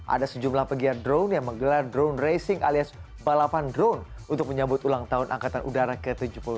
ada sejumlah pegiat drone yang menggelar drone racing alias balapan drone untuk menyambut ulang tahun angkatan udara ke tujuh puluh tiga